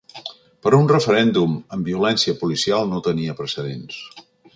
Però un referèndum amb violència policial no tenia precedents.